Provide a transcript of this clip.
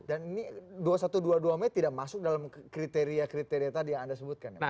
dan ini dua ribu satu ratus dua puluh dua m tidak masuk dalam kriteria kriteria tadi yang anda sebutkan ya mas eko